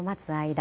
間